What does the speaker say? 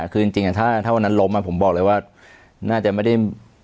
คือจริงถ้าวันนั้นล้มผมบอกเลยว่าน่าจะไม่ได้